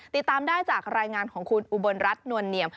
ติดตามได้จากรายงานของคุณอุบลรัฐนวลเนียม